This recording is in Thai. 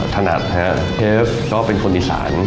ถนัดนะครับเทฟก็เป็นคนอีสาน